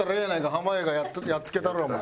濱家がやっつけたるわお前。